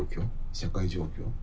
社会状況。